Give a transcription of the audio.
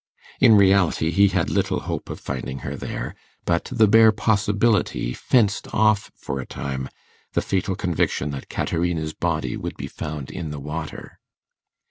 In reality he had little hope of finding her there; but the bare possibility fenced off for a time the fatal conviction that Caterina's body would be found in the water.